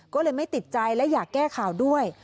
ก็เลยไม่ติดใจและอยากแก้ข่าวด้วย